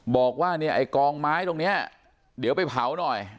บอกว่าเนี่ยไอ้กองไม้ตรงนี้เดี๋ยวไปเผาหน่อย